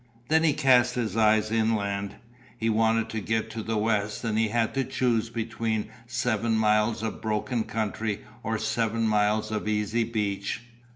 Then he cast his eyes inland. He wanted to get to the west and he had to choose between seven miles of broken country or seven miles of easy beach.